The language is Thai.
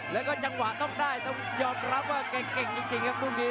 แล้วก็จังหวะต้องได้ต้องยอมรับว่าแกเก่งจริงครับคู่นี้